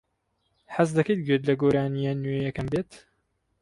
حەز دەکەیت گوێت لە گۆرانییە نوێیەکەم بێت؟